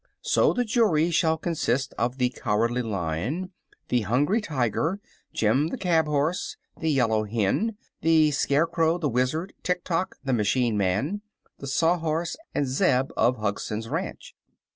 So the jury shall consist of the Cowardly Lion, the Hungry Tiger, Jim the Cab horse, the Yellow Hen, the Scarecrow, the Wizard, Tik tok the Machine Man, the Sawhorse and Zeb of Hugson's Ranch.